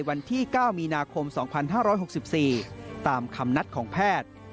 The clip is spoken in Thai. วันที่๙มีนาคม๒๕๖๔ตามคำนัดของแพทย์